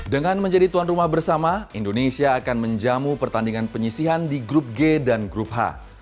dengan menjadi tuan rumah bersama indonesia akan menjamu pertandingan penyisihan di grup g dan grup h